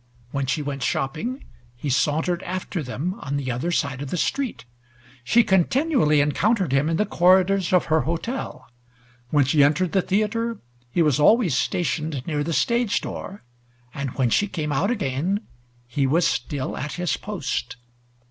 When she went shopping, he sauntered after them on the other side of the street. She continually encountered him in the corridors of her hotel; when she entered the theatre he was always stationed near the stage door, and when she came out again, he was still at his post.